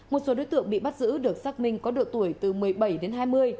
một số đối tượng bị bắt giữ được xác minh có độ tuổi từ một mươi bảy đến hai mươi